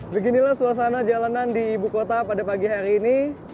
beginilah suasana jalanan di ibu kota pada pagi hari ini